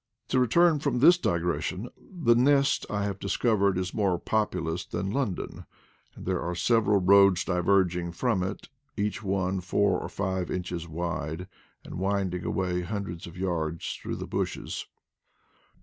To return from this digression. The nest I have discovered is more populous than London, and there are several roads diverging from it, each one four or five inches wide, and winding away hundreds of yards through the bushes.